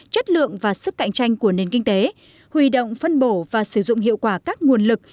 chất lượng và sức cạnh tranh của nền kinh tế huy động phân bổ và sử dụng hiệu quả các nguồn lực